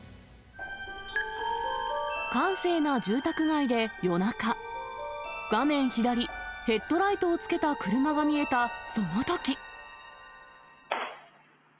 閑静な住宅街で夜中、画面左、ヘッドライトをつけた車が見えたそのとき。